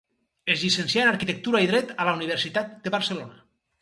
Es llicencià en arquitectura i dret a la Universitat de Barcelona.